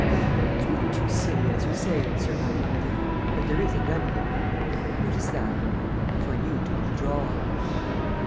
"It's really too silly, as you say," Sernine admitted. "But there is a remedy." "What is that?" "For you to withdraw."